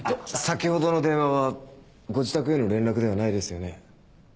先ほどの電話はご自宅への連絡ではないですよね。